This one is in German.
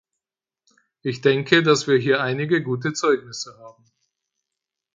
Ich denke, dass wir hier einige gute Zeugnisse haben.